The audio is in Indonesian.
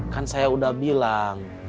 kan saya udah bilang